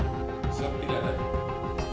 sebenarnya tidak ada